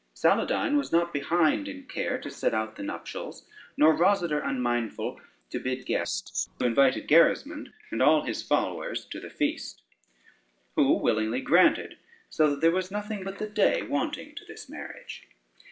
] Saladyne was not behind in care to set out the nuptials, nor Rosader unmindful to bid guests, who invited Gerismond and all his followers to the feast, who willingly granted, so that there was nothing but the day wanting to this marriage.